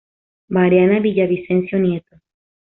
Mariana Villavicencio Nieto.